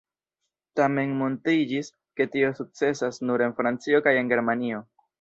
Tamen montriĝis, ke tio sukcesas nur en Francio kaj en Germanio.